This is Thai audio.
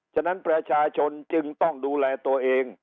ฉะนั้นประชาชนจึงต้องดูแลตัวเอง